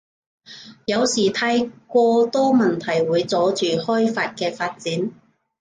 有時太過多問題會阻住開法嘅發展